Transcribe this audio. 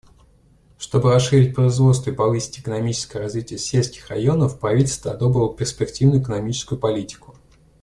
Чтобы расширить производство и повысить экономическое развитие сельских районов, правительство одобрило перспективную экономическую политику.